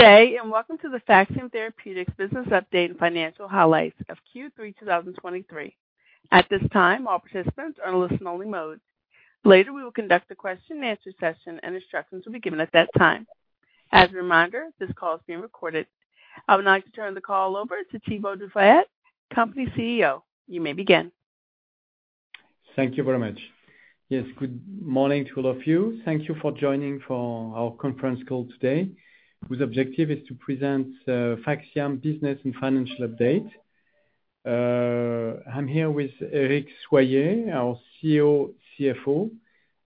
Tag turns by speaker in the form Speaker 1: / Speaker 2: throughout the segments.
Speaker 1: Today, and welcome to the PHAXIAM Therapeutics business update and financial highlights of Q3 2023. At this time, all participants are in listen-only mode. Later, we will conduct a question-and-answer session, and instructions will be given at that time. As a reminder, this call is being recorded. I would like to turn the call over to Thibaut du Fayet, company CEO. You may begin.
Speaker 2: Thank you very much. Yes, good morning to all of you. Thank you for joining for our conference call today, whose objective is to present PHAXIAM business and financial update. I'm here with Eric Soyer, our COO, CFO,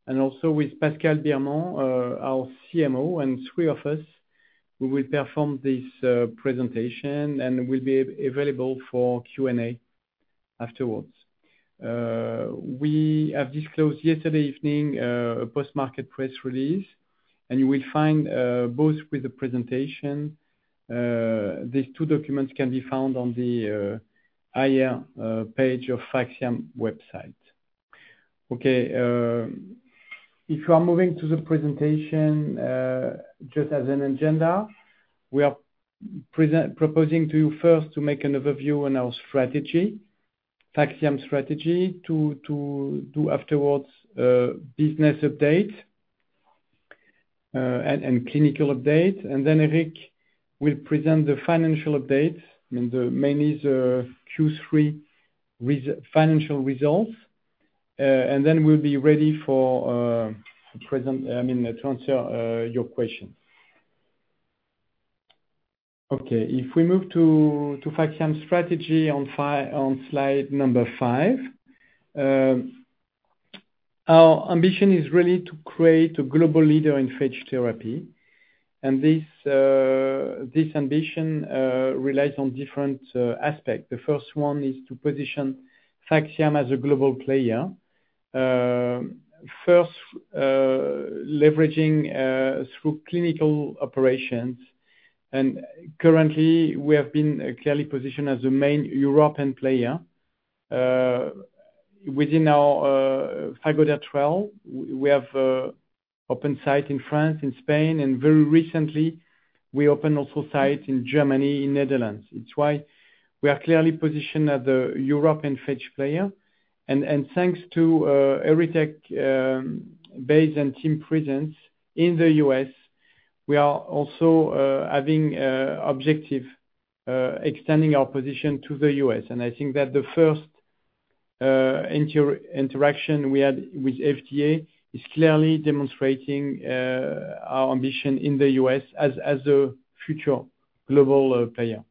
Speaker 2: and also with Pascal Birman, our CMO, and three of us, we will perform this presentation and will be available for Q&A afterwards. We have disclosed yesterday evening a post-market press release, and you will find both with the presentation. These two documents can be found on the IR page of PHAXIAM website. Okay, if you are moving to the presentation, just as an agenda, we are proposing to you first to make an overview on our strategy, PHAXIAM strategy, to afterwards business update and clinical update. And then Eric will present the financial update, I mean, the mainly the Q3 financial results. And then we'll be ready for to present, I mean, to answer your questions. Okay, if we move to PHAXIAM strategy on slide number 5. Our ambition is really to create a global leader in phage therapy, and this this ambition relies on different aspects. The first one is to position PHAXIAM as a global player. First, leveraging through clinical operations, and currently, we have been clearly positioned as the main European player. Within our PhagoDAIR trial, we have open site in France and Spain, and very recently we opened also site in Germany and Netherlands. It's why we are clearly positioned as a European phage player. Thanks to ERYTECH base and team presence in the U.S., we are also having objective extending our position to the U.S. I think that the first interaction we had with FDA is clearly demonstrating our ambition in the U.S. as a future global player.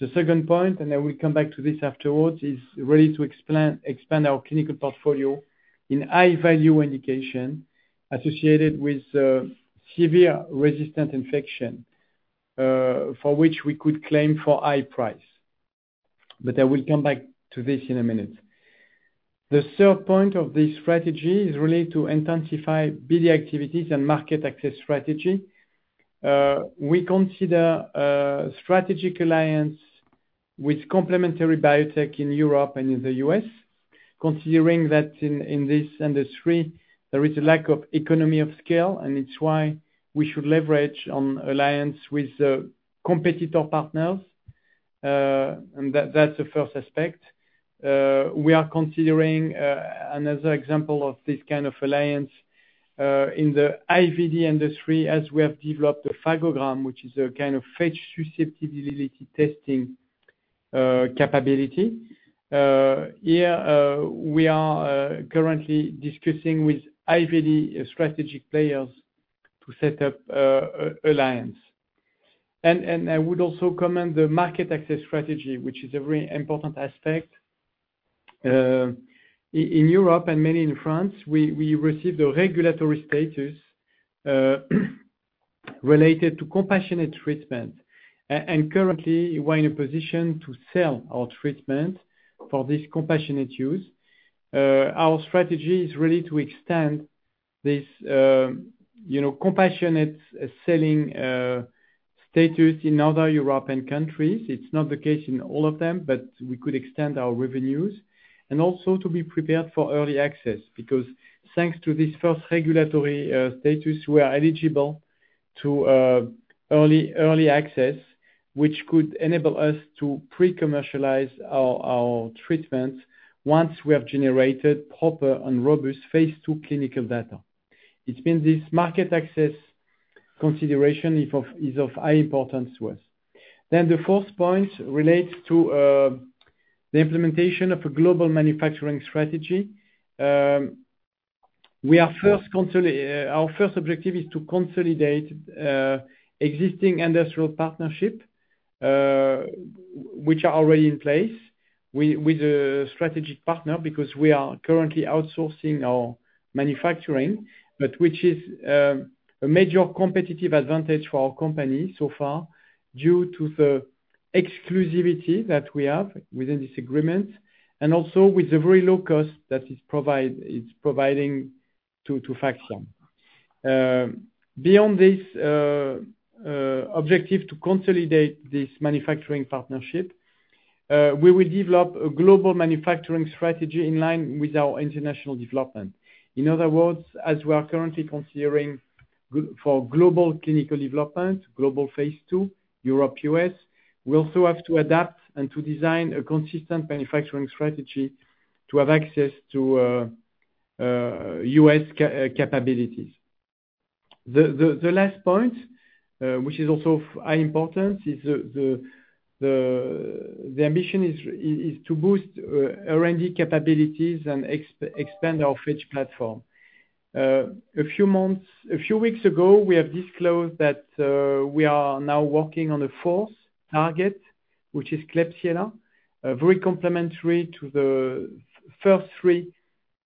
Speaker 2: The second point, and I will come back to this afterwards, is really to expand our clinical portfolio in high value indication associated with severe resistant infection for which we could claim for high price. But I will come back to this in a minute. The third point of this strategy is really to intensify BD activities and market access strategy. We consider strategic alliance with complementary biotech in Europe and in the U.S., considering that in this industry, there is a lack of economy of scale, and it's why we should leverage on alliance with competitor partners. And that, that's the first aspect. We are considering another example of this kind of alliance in the IVD industry, as we have developed the Phagogram, which is a kind of phage susceptibility testing capability. Here, we are currently discussing with IVD strategic players to set up a alliance. And I would also comment the market access strategy, which is a very important aspect. In Europe, and mainly in France, we received a regulatory status related to compassionate treatment. And currently, we're in a position to sell our treatment for this compassionate use. Our strategy is really to extend this, you know, compassionate selling status in other European countries. It's not the case in all of them, but we could extend our revenues. Also to be prepared for early access, because thanks to this first regulatory status, we are eligible to early access, which could enable us to pre-commercialize our treatment once we have generated proper and robust phase 2 clinical data. It's that this market access consideration is of high importance to us. The fourth point relates to the implementation of a global manufacturing strategy. Our first objective is to consolidate existing industrial partnerships which are already in place with a strategic partner, because we are currently outsourcing our manufacturing, but which is a major competitive advantage for our company so far, due to the exclusivity that we have within this agreement, and also with the very low cost that it's providing to PHAXIAM. Beyond this objective to consolidate this manufacturing partnership, we will develop a global manufacturing strategy in line with our international development. In other words, as we are currently considering going for global clinical development, global phase 2, Europe, U.S., we also have to adapt and to design a consistent manufacturing strategy to have access to U.S. capabilities. The last point, which is also of high importance, is the ambition is to boost R&D capabilities and expand our phage platform. A few weeks ago, we have disclosed that we are now working on a fourth target, which is Klebsiella, very complementary to the first three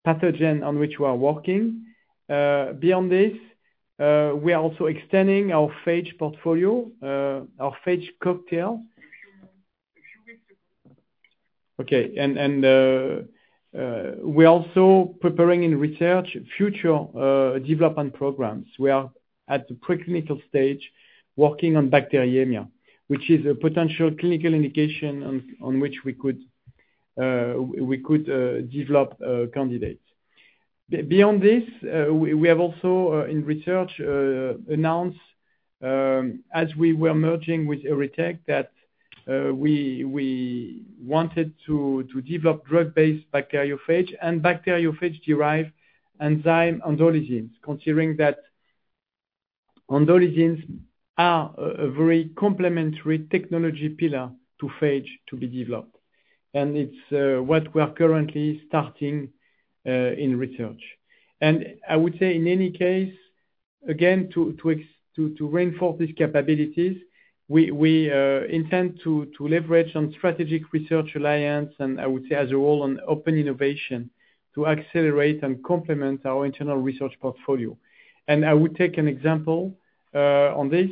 Speaker 2: pathogen on which we are working. Beyond this, we are also extending our phage portfolio, our phage cocktail. We're also preparing in research future development programs. We are at the preclinical stage, working on bacteremia, which is a potential clinical indication on which we could develop a candidate. Beyond this, we have also in research announced, as we were merging with ERYTECH, that we wanted to develop drug-based bacteriophage and bacteriophage-derived enzyme endolysins, considering that endolysins are a very complementary technology pillar to phage to be developed. It's what we are currently starting in research. I would say in any case, again, to reinforce these capabilities, we intend to leverage on strategic research alliance, and I would say as a role on open innovation, to accelerate and complement our internal research portfolio. I would take an example on this.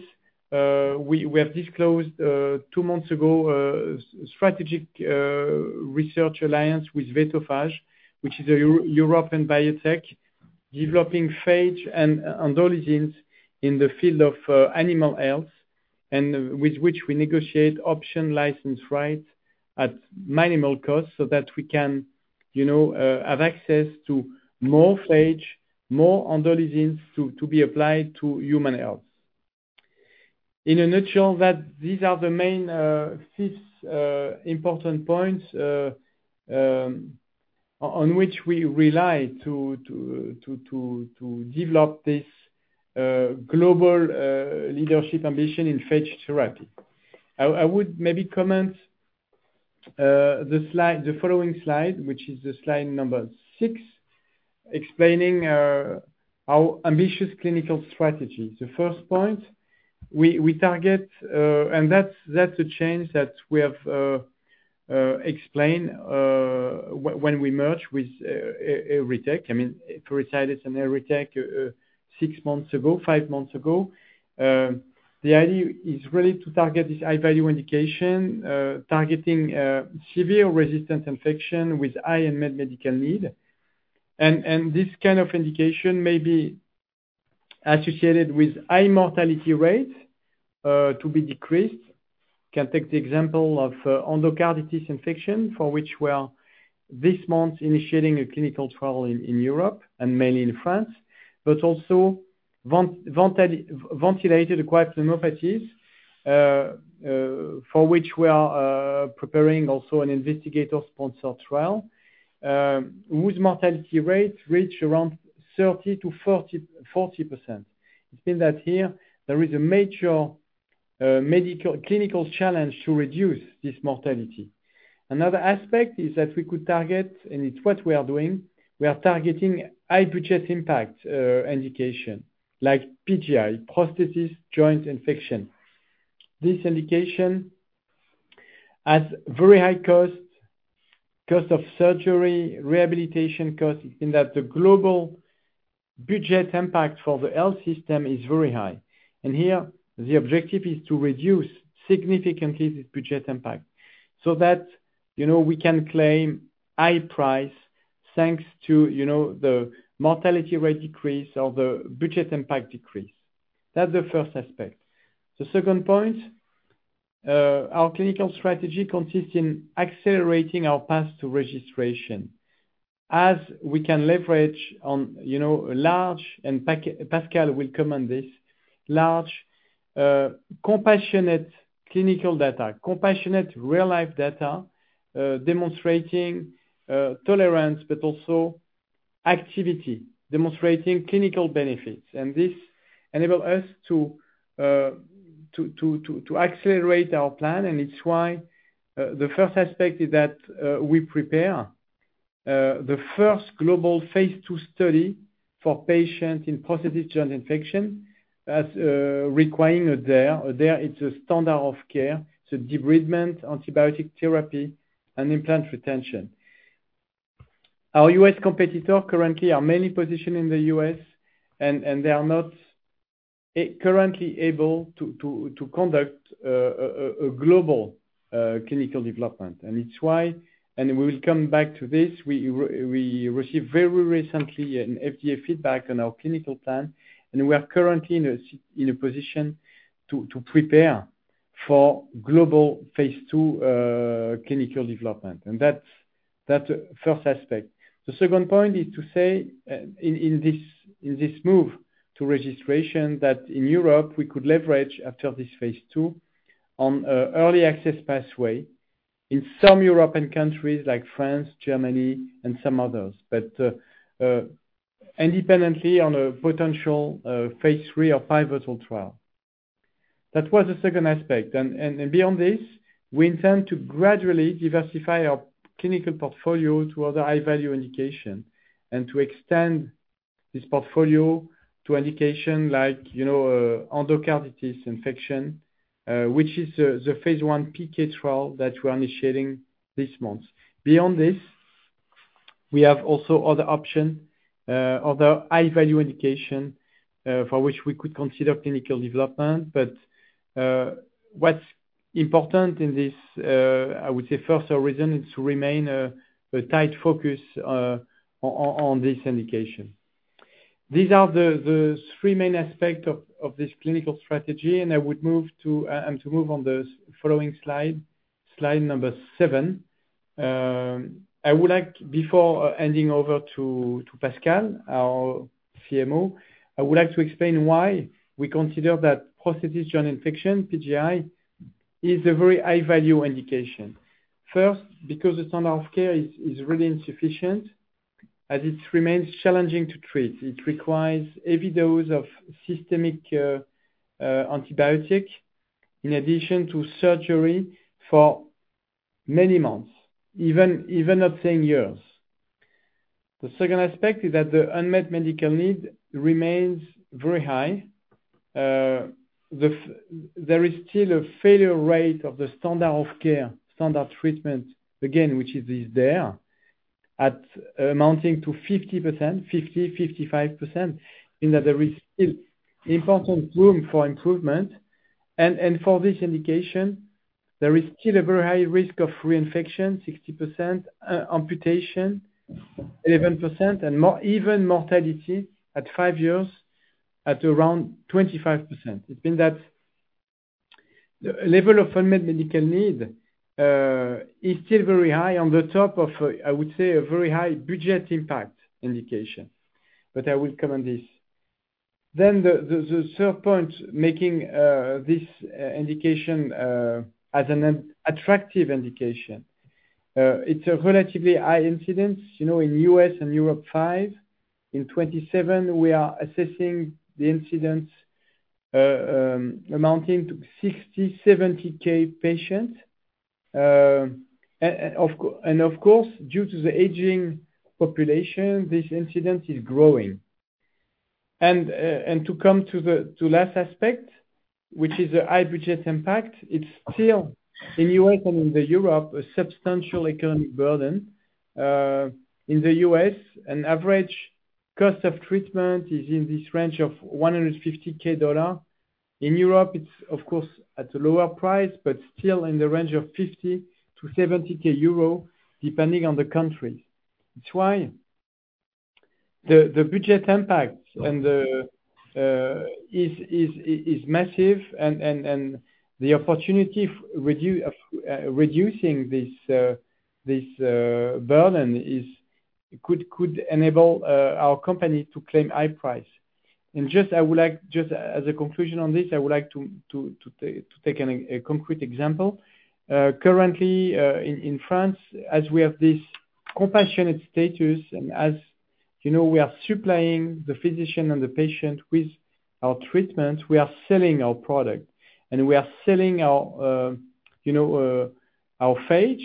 Speaker 2: We have disclosed two months ago strategic research alliance with Vetophage, which is a European biotech, developing phage and endolysins in the field of animal health, and with which we negotiate option license rights at minimal cost so that we can, you know, have access to more phage, more endolysins, to be applied to human health. In a nutshell, that these are the main five important points on which we rely to develop this global leadership ambition in phage therapy. I would maybe comment the following slide, which is the slide number six, explaining our ambitious clinical strategy. The first point, we target, and that's a change that we have explained, when we merged with ERYTECH, I mean, Pherecydis and ERYTECH, 6 months ago, 5 months ago. The idea is really to target this high-value indication, targeting severe resistant infection with high unmet medical need. And this kind of indication may be associated with high mortality rate to be decreased. Can take the example of endocarditis infection, for which we are this month initiating a clinical trial in Europe and mainly in France. But also, ventilated acquired pneumopathies, for which we are preparing also an investigator-sponsored trial, whose mortality rate reach around 30%-40%. It means that here there is a major medical, clinical challenge to reduce this mortality. Another aspect is that we could target, and it's what we are doing, we are targeting high budget impact indication, like PJI, prosthetic joint infection. This indication has very high cost: cost of surgery, rehabilitation cost, in that the global budget impact for the health system is very high. And here, the objective is to reduce significantly this budget impact so that, you know, we can claim high price, thanks to, you know, the mortality rate decrease or the budget impact decrease. That's the first aspect. The second point, our clinical strategy consists in accelerating our path to registration. As we can leverage on, you know, large, and Pascal will comment on this, large compassionate clinical data, compassionate real-life data, demonstrating tolerance, but also activity, demonstrating clinical benefits. This enables us to accelerate our plan, and it's why the first aspect is that we prepare the first global phase 2 study for patients in prosthetic joint infection as requiring DAIR. DAIR, it's a standard of care, so debridement, antibiotics, and implant retention. Our U.S. competitor currently are mainly positioned in the U.S., and they are not currently able to conduct a global clinical development. And it's why, and we will come back to this, we received very recently an FDA feedback on our clinical plan, and we are currently in a position to prepare for global phase 2 clinical development. And that's the first aspect. The second point is to say, in this move to registration, that in Europe, we could leverage after this phase 2 early access pathway in some European countries like France, Germany, and some others. But, independently on a potential phase 3 or pivotal trial. That was the second aspect. And beyond this, we intend to gradually diversify our clinical portfolio to other high-value indication, and to extend this portfolio to indication like, you know, endocarditis infection, which is the phase 1 PK trial that we're initiating this month. Beyond this, we have also other option, other high-value indication, for which we could consider clinical development. But, what's important in this, I would say first reason, is to remain a tight focus on this indication. These are the three main aspects of this clinical strategy, and I would move to and to move on the following slide, slide number 7. I would like, before handing over to Pascal, our CMO, to explain why we consider that prosthetic joint infection, PJI, is a very high-value indication. First, because the standard of care is really insufficient, as it remains challenging to treat. It requires heavy doses of systemic antibiotics in addition to surgery for many months, even up to 10 years. The second aspect is that the unmet medical need remains very high. There is still a failure rate of the standard of care, standard treatment, again, which is amounting to 50%-55%, in that there is still important room for improvement. For this indication, there is still a very high risk of reinfection, 60%, amputation, 11%, and even mortality at 5 years, at around 25%. It's been that the level of unmet medical need is still very high on the top of, I would say, a very high budget impact indication, but I will come on this. Then the third point making this indication as an attractive indication. It's a relatively high incidence, you know, in U.S. and Europe 5 and 27, we are assessing the incidence amounting to 60,000-70,000 patients. And of course, due to the aging population, this incidence is growing. To come to the last aspect, which is a high budget impact, it's still in the U.S. and in Europe, a substantial economic burden. In the U.S., an average cost of treatment is in this range of $150,000. In Europe, it's of course, at a lower price, but still in the range of 50,000-70,000 euro, depending on the country. That's why the budget impact and the is massive and the opportunity of reducing this burden could enable our company to claim high price. And just, I would like just as a conclusion on this, I would like to take a concrete example. Currently, in France, as we have this compassionate status, and as you know, we are supplying the physician and the patient with our treatment, we are selling our product. And we are selling our, you know, our phage,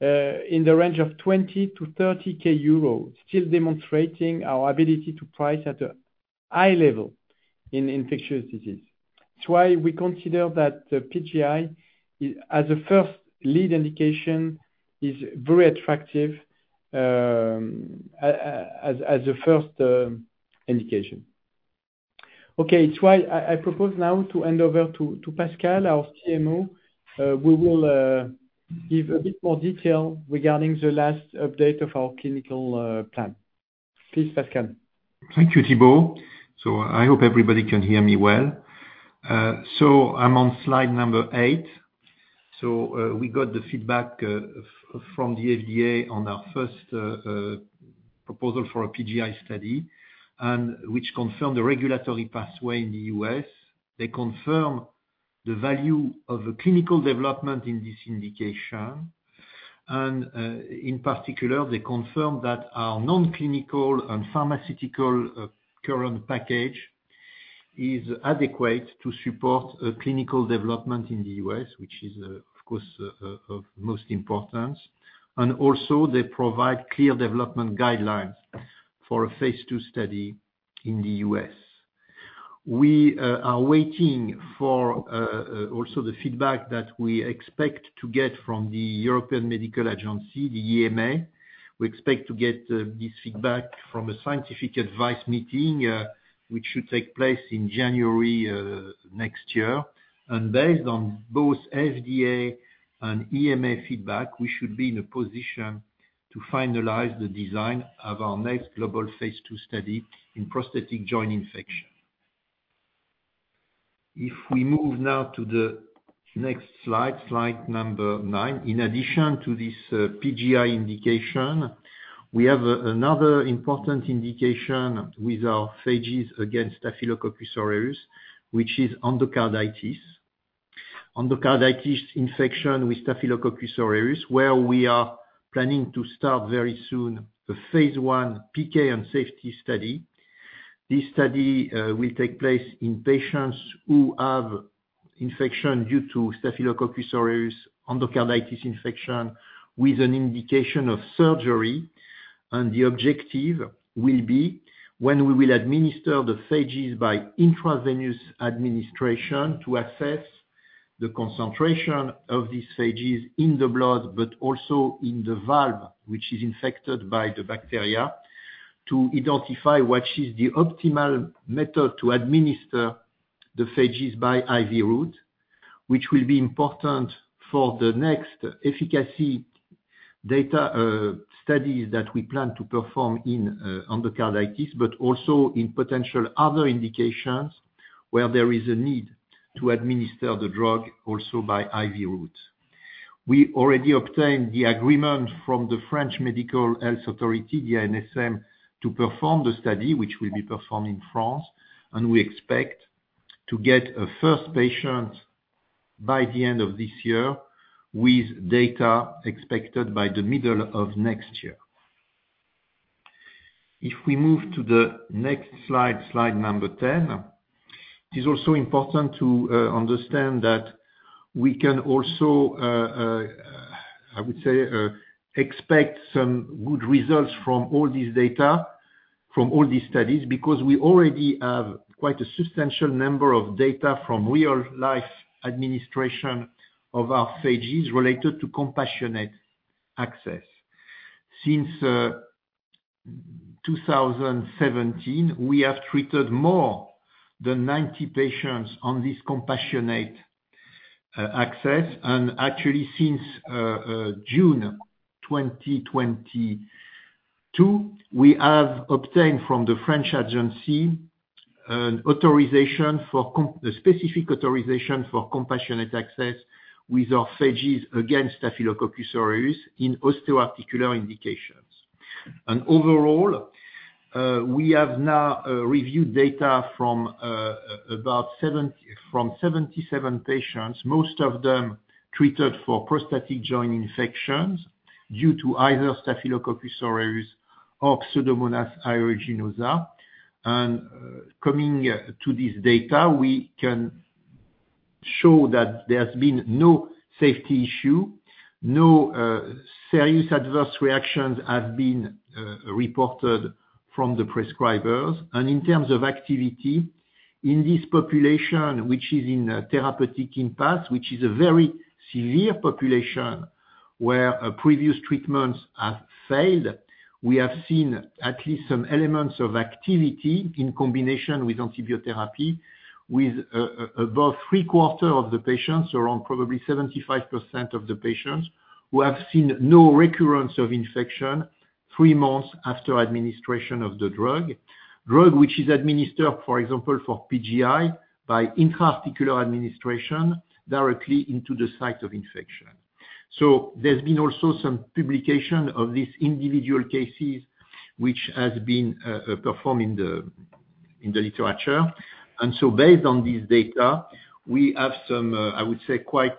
Speaker 2: in the range of 20-30K euros, still demonstrating our ability to price at a high level in infectious disease. It's why we consider that the PJI, as a first lead indication, is very attractive, as, as a first, indication. Okay, it's why I propose now to hand over to Pascal, our CMO. We will give a bit more detail regarding the last update of our clinical plan. Please, Pascal.
Speaker 3: Thank you, Thibaut. So I hope everybody can hear me well. So I'm on slide number eight. So we got the feedback from the FDA on our first proposal for a PJI study, and which confirmed the regulatory pathway in the U.S. They confirm the value of a clinical development in this indication, and in particular, they confirm that our non-clinical and pharmaceutical current package is adequate to support a clinical development in the U.S., which is, of course, of most importance. And also, they provide clear development guidelines for a phase two study in the U.S. We are waiting for also the feedback that we expect to get from the European Medicines Agency, the EMA. We expect to get this feedback from a scientific advice meeting, which should take place in January next year. Based on both FDA and EMA feedback, we should be in a position to finalize the design of our next global phase 2 study in prosthetic joint infection. If we move now to the next slide, slide number 9. In addition to this, PJI indication, we have another important indication with our phages against Staphylococcus aureus, which is endocarditis. Endocarditis infection with Staphylococcus aureus, where we are planning to start very soon, the phase 1 PK and safety study. This study will take place in patients who have infection due to Staphylococcus aureus endocarditis infection, with an indication of surgery. The objective will be when we will administer the phages by intravenous administration to assess the concentration of these phages in the blood, but also in the valve, which is infected by the bacteria. To identify what is the optimal method to administer the phages by IV route, which will be important for the next efficacy data, studies that we plan to perform in, endocarditis, but also in potential other indications, where there is a need to administer the drug also by IV route. We already obtained the agreement from the French Medical Health Authority, the ANSM, to perform the study, which will be performed in France, and we expect to get a first patient by the end of this year, with data expected by the middle of next year. If we move to the next slide, slide number 10. It is also important to understand that we can also, I would say, expect some good results from all these data, from all these studies, because we already have quite a substantial number of data from real-life administration of our phages related to compassionate access. Since 2017, we have treated more than 90 patients on this compassionate access. And actually since June 2022, we have obtained from the French agency, a specific authorization for compassionate access with our phages against Staphylococcus aureus in osteoarticular indications. And overall, we have now reviewed data from about 77 patients, most of them treated for prosthetic joint infections due to either Staphylococcus aureus or Pseudomonas aeruginosa. And coming to this data, we can show that there has been no safety issue. No, serious adverse reactions have been reported from the prescribers. In terms of activity in this population, which is in therapeutic impasse, which is a very severe population, where previous treatments have failed. We have seen at least some elements of activity in combination with antibiotic therapy, with above three quarter of the patients, around probably 75% of the patients, who have seen no recurrence of infection three months after administration of the drug. Drug, which is administered, for example, for PJI by intra-articular administration, directly into the site of infection. So there's been also some publication of these individual cases, which has been performed in the, in the literature. So based on this data, we have some, I would say, quite,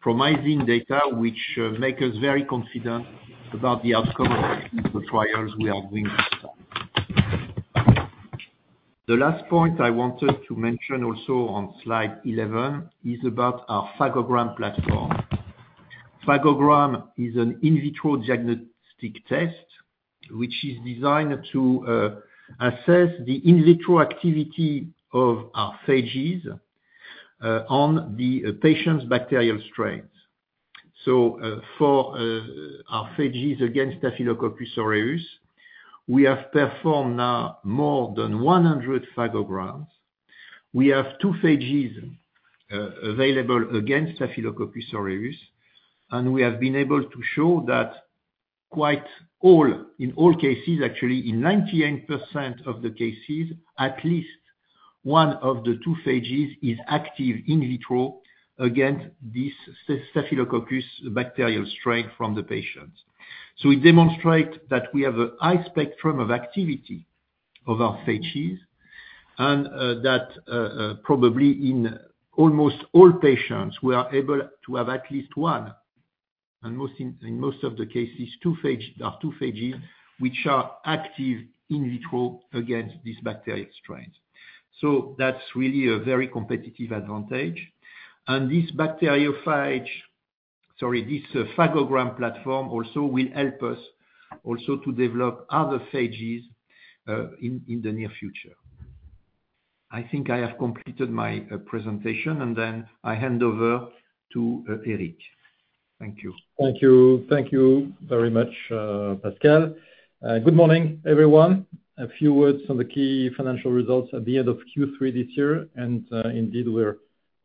Speaker 3: promising data, which, make us very confident about the outcome of the trials we are doing. The last point I wanted to mention also on slide 11, is about our Phagogram platform. Phagogram is an in vitro diagnostic test, which is designed to, assess the in vitro activity of our phages, on the patient's bacterial strains. So, for, our phages against Staphylococcus aureus, we have performed now more than 100 Phagograms. We have two phages, available against Staphylococcus aureus, and we have been able to show that quite all, in all cases, actually, in 98% of the cases, at least one of the two phages is active in vitro against this Staphylococcus bacterial strain from the patients. So we demonstrate that we have a high spectrum of activity of our phages, and that probably in almost all patients, we are able to have at least one. And most, in most of the cases, two phage, there are two phages which are active in vitro against these bacterial strains. So that's really a very competitive advantage. And this bacteriophage, sorry, this Phagogram platform also will help us also to develop other phages in the near future. I think I have completed my presentation, and then I hand over to Eric. Thank you.
Speaker 4: Thank you. Thank you very much, Pascal. Good morning, everyone. A few words on the key financial results at the end of Q3 this year, and, indeed, we're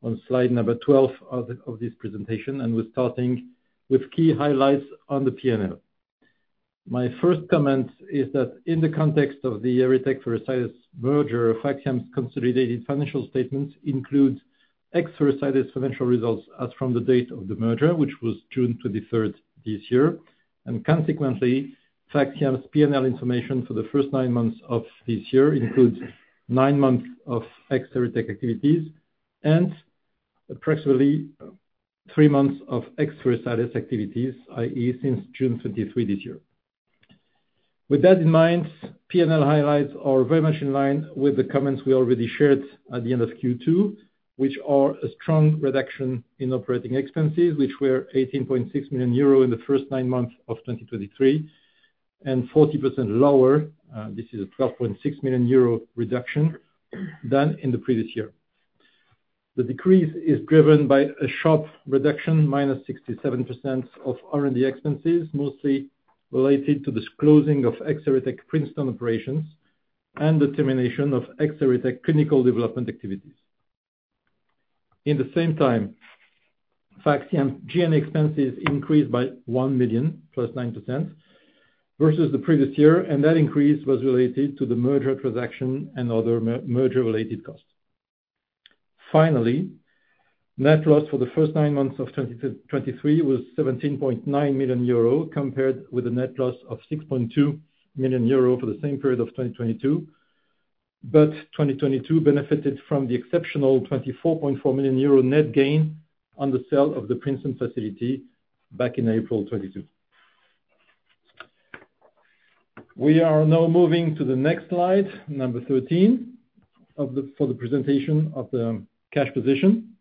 Speaker 4: on slide number 12 of the, of this presentation, and we're starting with key highlights on the P&L. My first comment is that in the context of the ERYTECH Pherecydis merger, PHAXIAM's consolidated financial statements include ex-Pherecydis's financial results as from the date of the merger, which was June twenty-third this year. Consequently, PHAXIAM's P&L information for the first nine months of this year includes nine months of ex-ERYTECH activities and approximately three months of ex-Pherecydis activities, i.e., since June twenty-third this year. With that in mind, P&L highlights are very much in line with the comments we already shared at the end of Q2, which are a strong reduction in operating expenses, which were 18.6 million euro in the first nine months of 2023, and 40% lower, this is a 12.6 million euro reduction, than in the previous year. The decrease is driven by a sharp reduction, -67% of R&D expenses, mostly related to the closing of ex-ERYTECH Princeton operations and the termination of ex-ERYTECH clinical development activities. At the same time, PHAXIAM's G&A expenses increased by 1 million, +9%, versus the previous year, and that increase was related to the merger transaction and other merger-related costs. Finally, net loss for the first nine months of 2023 was 17.9 million euro, compared with a net loss of 6.2 million euro for the same period of 2022. But 2022 benefited from the exceptional 24.4 million euro net gain on the sale of the Princeton facility back in April of 2022. We are now moving to the next slide, number 13, of the presentation of the cash position.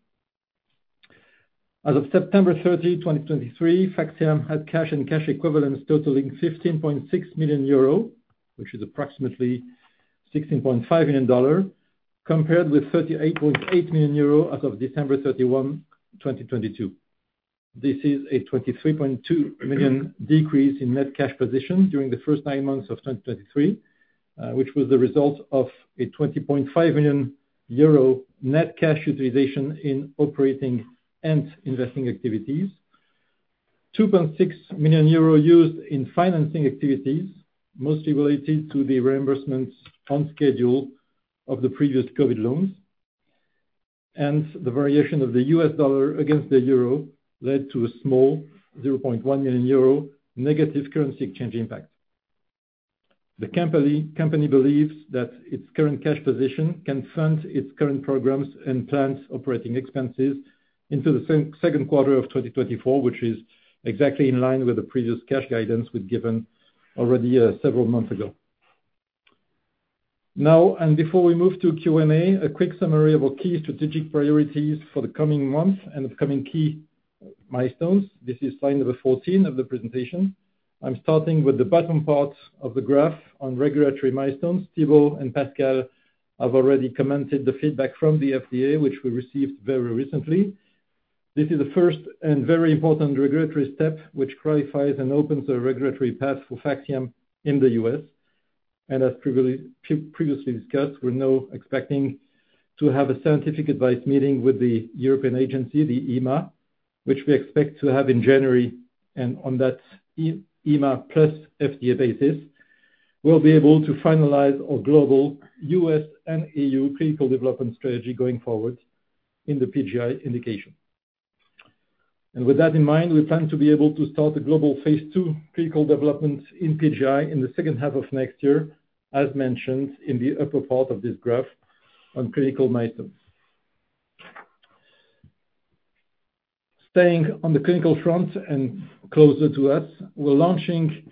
Speaker 4: As of September 30, 2023, PHAXIAM had cash and cash equivalents totaling 15.6 million euro, which is approximately $16.5 million, compared with 38.8 million euro as of December 31, 2022. This is a 23.2 million decrease in net cash position during the first nine months of 2023, which was the result of a 20.5 million euro net cash utilization in operating and investing activities. 2.6 million euro used in financing activities, mostly related to the reimbursements on schedule of the previous COVID loans, and the variation of the US dollar against the euro led to a small 0.1 million euro negative currency exchange impact. The company believes that its current cash position can fund its current programs and plans operating expenses into the second quarter of 2024, which is exactly in line with the previous cash guidance we've given already, several months ago. Now, before we move to Q&A, a quick summary of our key strategic priorities for the coming months and upcoming key milestones. This is slide number 14 of the presentation. I'm starting with the bottom part of the graph on regulatory milestones. Thibaut du Fayet and Pascal Birman have already commented the feedback from the FDA, which we received very recently. This is the first and very important regulatory step, which clarifies and opens the regulatory path for PHAXIAM in the U.S. And as previously discussed, we're now expecting to have a scientific advice meeting with the European agency, the EMA, which we expect to have in January. And on that EMA plus FDA basis, we'll be able to finalize our global U.S. and EU clinical development strategy going forward in the PJI indication. With that in mind, we plan to be able to start a global phase 2 clinical development in PJI in the second half of next year, as mentioned in the upper part of this graph on clinical milestones. Staying on the clinical front and closer to us, we're launching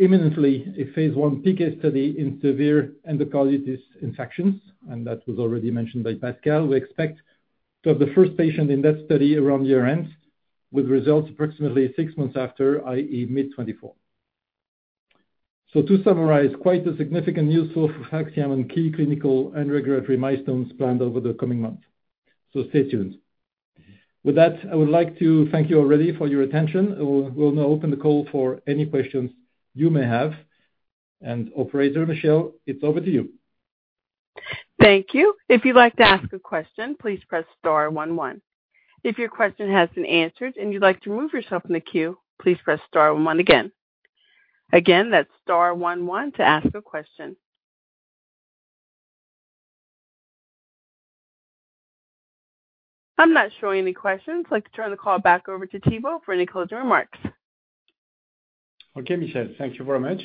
Speaker 4: imminently a phase 1 PK study in severe endocarditis infections, and that was already mentioned by Pascal. We expect to have the first patient in that study around year-end, with results approximately 6 months after, i.e., mid-2024. To summarize, quite a significant use of PHAXIAM on key clinical and regulatory milestones planned over the coming months. Stay tuned. With that, I would like to thank you already for your attention. We'll now open the call for any questions you may have. Operator Michelle, it's over to you.
Speaker 1: Thank you. If you'd like to ask a question, please press star one one. If your question has been answered and you'd like to remove yourself from the queue, please press star one one again. Again, that's star one one to ask a question. I'm not showing any questions. I'd like to turn the call back over to Thibaut for any closing remarks.
Speaker 2: Okay, Michelle, thank you very much.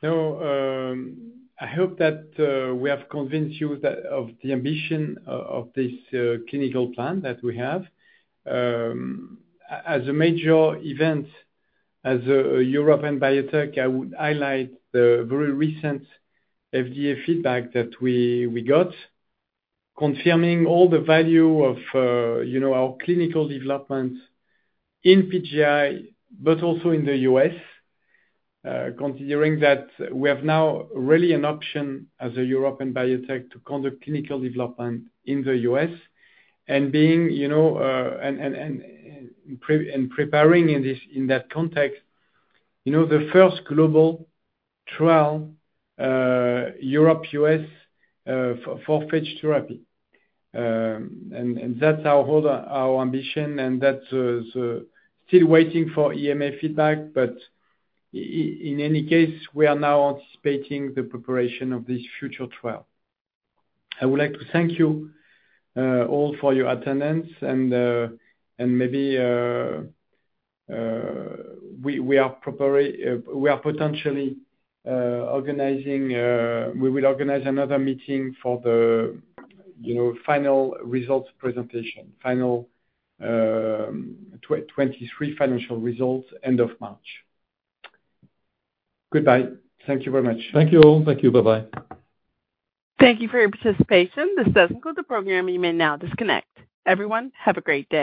Speaker 2: So, I hope that we have convinced you that of the ambition of this clinical plan that we have. As a major event, as a European biotech, I would highlight the very recent FDA feedback that we got, confirming all the value of, you know, our clinical development in PJI, but also in the U..S. Considering that we have now really an option as a European biotech to conduct clinical development in the U.S. And being, you know, preparing in this, in that context, you know, the first global trial, Europe-U.S., for phage therapy. That's our whole ambition, and that's still waiting for EMA feedback, but in any case, we are now anticipating the preparation of this future trial. I would like to thank you all for your attendance, and maybe we will organize another meeting for the, you know, final results presentation, final 2023 financial results, end of March. Goodbye. Thank you very much.
Speaker 4: Thank you all. Thank you. Bye-bye.
Speaker 1: Thank you for your participation. This does end the program. You may now disconnect. Everyone, have a great day.